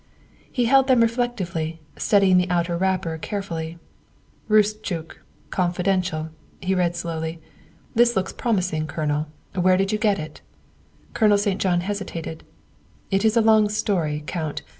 He held them reflectively, studying the outer wrapper carefully. " Roostchook. Confidential," he read slowly. " This looks promising, Colonel. Where did you get it?" Colonel St. John hesitated. " It is a long story, Count.